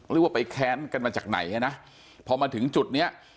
หรือว่าไปแค้นกันมาจากไหนนะพอมาถึงจุดเนี้ย